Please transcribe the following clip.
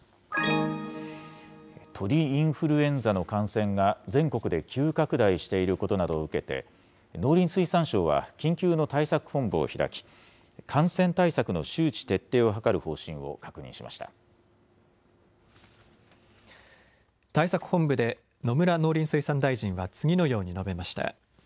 鳥インフルエンザの感染が全国で急拡大していることなどを受けて、農林水産省は緊急の対策本部を開き、感染対策の周知徹底を図る方対策本部で、野村農林水産大臣は次のように述べました。